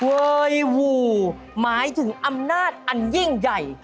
เวยวูหมายถึงอำนาจอันยิ่งใหญ่